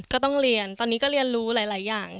ก็ต้องเรียนตอนนี้ก็เรียนรู้หลายอย่าง